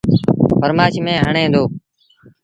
ٿرمآش ميݩ هڻي دو۔